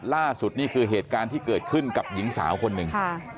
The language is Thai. ล่าสุดนี่คือเหตุการณ์ที่เกิดขึ้นกับหญิงสาวคนหนึ่ง